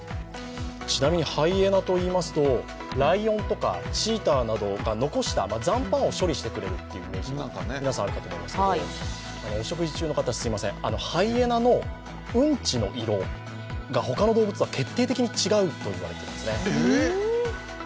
ちなみにハイエナといいますとライオンとかチーターなどが残した残飯を処理してくれるというイメージが皆さんあると思いますけれども、お食事中の方すいません、ハイエナのウンチの色が他の動物とは決定的に違うというんです。